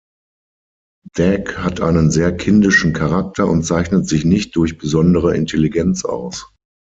Dag hat einen sehr kindischen Charakter und zeichnet sich nicht durch besondere Intelligenz aus.